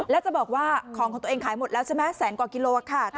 แล้วจะบอกว่าของของตัวเองขายหมดแล้วใช่ไหมแสนกว่ากิโลค่ะ